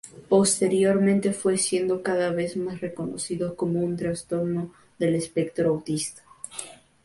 Posteriormente, fue siendo cada vez más reconocido como un trastorno del espectro autista.